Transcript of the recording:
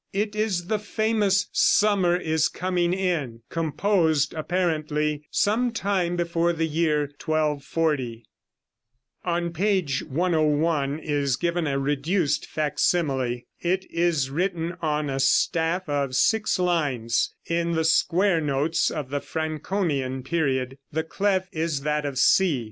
It is the famous "Summer is Coming In," composed, apparently, some time before the year 1240. On page 101 is given a reduced fac simile. It is written on a staff of six lines, in the square notes of the Franconian period. The clef is that of C.